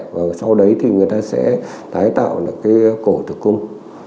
và sau đấy thì người ta sẽ tái tạo cái cổ tự cung